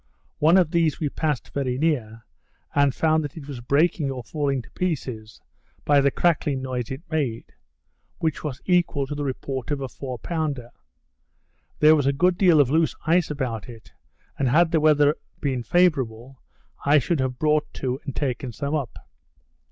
One of these we passed very near, and found that it was breaking or falling to pieces, by the cracking noise it made; which was equal to the report of a four pounder. There was a good deal of loose ice about it; and had the weather been favourable, I should have brought to, and taken some up.